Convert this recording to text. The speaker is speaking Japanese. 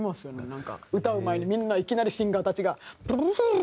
なんか歌う前にみんないきなりシンガーたちが。